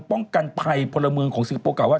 ป้องกันภัยพลเมืองของสิทธิ์โปรกะว่า